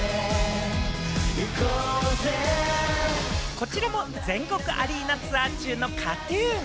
こちらも全国アリーナツアー中のＫＡＴ−ＴＵＮ。